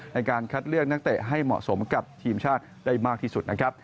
ในการคัดเลือกนักเตะให้เหมาะสมกับทีมชาติได้มากที่สุดนะครับ